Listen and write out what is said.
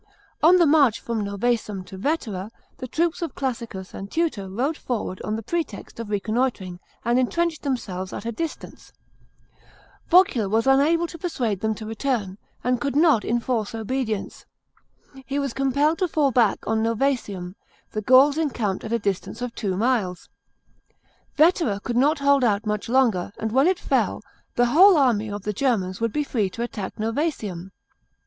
On the march from Novsesium to Vetera, the troope of Classicus and Tutor rode forward on the pretext of reconnoitring, and entrenched themselves at a distance. Vocula was 358 REBELLIONS IN GERMANY AND JUDEA. CHAV. xs unable to persuade them to return, and could not enforce obedieuce. He was compelled to fall back on Novsesium : the Gauls encamped at a distance of two miles. Vetera could not hold out much longer, and when it fell, the whole army of the Germans would be free to attack Novsesium.